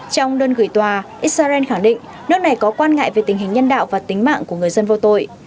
trong đơn gửi tòa israel khẳng định nước này có quan ngại về tình hình nhân đạo và tính mạng của người dân vô tội